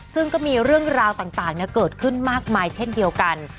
ซึ่งก็มีเรื่องราวต่างเกิดขึ้นมากมายเช่นเดียวกัน